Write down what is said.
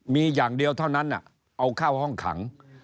มีอย่างเดียวเท่านั้นเอาเข้าห้องขัง